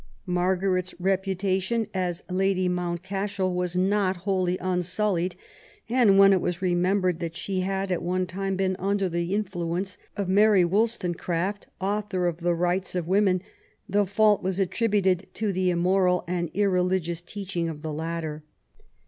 Margaret's, reputation as Lady Mountcashel was not wholly unsullied, and when it was remembered that she had, at one time, been under the influence of Mary WoUstonecraft, author of the Rights of Women, the fault was attributed to the immoral and irreligious teaching of the latter.